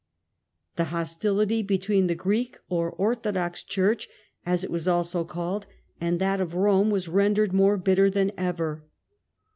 The hostility between the Greek or Orthodox Disunion Church, as it was also called, and that of Rome was churches rendered more bitter than ever.